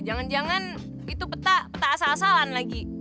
jangan jangan itu peta asal asalan lagi